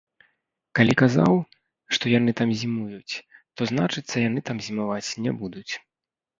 Калі казаў, што яны там зімуюць, то, значыцца, яны там зімаваць не будуць.